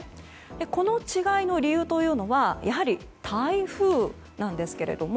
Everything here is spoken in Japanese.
この違いの理由は、やはり台風なんですけれども。